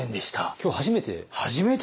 今日初めて？